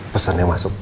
pesan yang masuk